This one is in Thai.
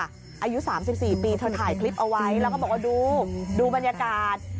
อายุ๓๔ปีเธอถ่ายคลิปเอาไว้แล้วก็บอกว่าดูดูบรรยากาศ